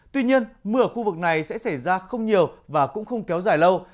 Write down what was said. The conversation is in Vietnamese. tuy nhiên mưa ở khu vực này sẽ xảy ra không nhiều và cũng không kéo dài lâu